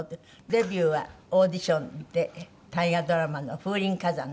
デビューはオーディションで大河ドラマの『風林火山』。